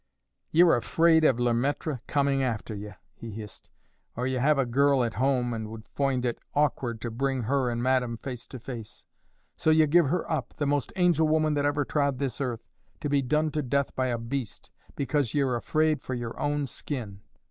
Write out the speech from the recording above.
"Ye're afraid of Le Maître coming after ye," he hissed; "or ye have a girl at home, and would foind it awkward to bring her and madam face to face; so ye give her up, the most angel woman that ever trod this earth, to be done to death by a beast, because ye're afraid for yer own skin.